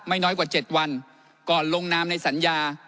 ไม่น้อยกว่าเจ็ดวันก่อนลงน้ำในสัญญา